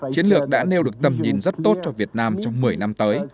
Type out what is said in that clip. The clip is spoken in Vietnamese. chiến lược đã nêu được tầm nhìn rất tốt cho việt nam trong một mươi năm tới